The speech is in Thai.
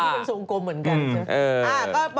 มันเป็นสูงกลมเหมือนกันจ๊ะ